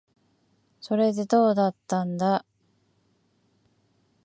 それで、どうだったんだ。